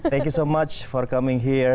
terima kasih banyak sudah datang ke sini